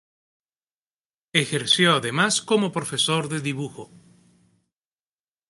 Ejerció además como profesor de dibujo.